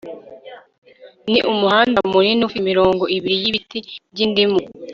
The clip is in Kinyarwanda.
Ni umuhanda munini ufite imirongo ibiri yibiti byindimu